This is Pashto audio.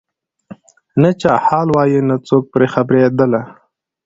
نه چا حال وایه نه څوک په خبرېدله